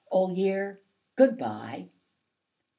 Old Year, good bye!